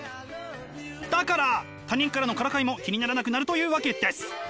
だから他人からのからかいも気にならなくなるというわけです！